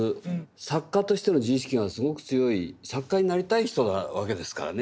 作家としての自意識がすごく強い作家になりたい人なわけですからね。